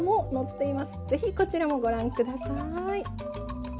是非こちらもご覧下さい。